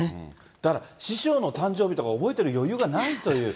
だから師匠の誕生日とか覚えてる余裕がないという。